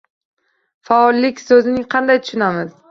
“Faollik” so‘zini qanday tushunamiz?